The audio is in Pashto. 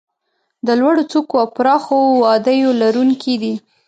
د لوړو څوکو او پراخو وادیو لرونکي دي.